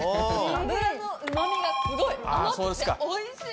脂の旨みがすごい！甘くておいしい！